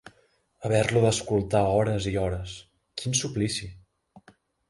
Haver-lo d'escoltar hores i hores: quin suplici!